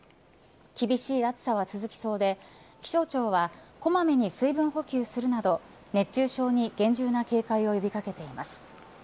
厳しい暑さは続きそうで気象庁はこまめに水分補給するなど熱中症に厳重な警戒を呼び掛けています。